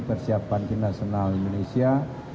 persiapan tim nasional indonesia